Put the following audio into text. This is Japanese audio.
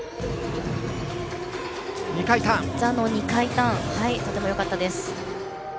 座の２回ターンとてもよかったです。